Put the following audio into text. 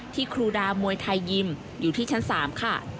ครูดามวยไทยยิมอยู่ที่ชั้น๓ค่ะ